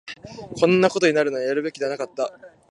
こんなことになるなら、やるべきではなかった